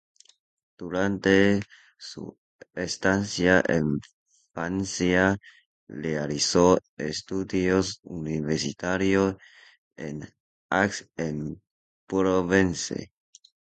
Durante su estancia en Francia realizó estudios universitarios en Aix-en-Provence.